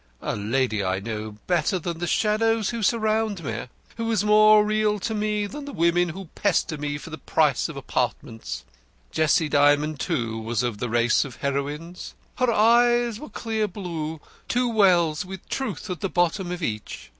"A lady I know better than the shadows who surround me, who is more real to me than the women who pester me for the price of apartments. Jessie Dymond, too, was of the race of heroines. Her eyes were clear blue, two wells with Truth at the bottom of each.